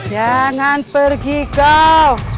jangan pergi kau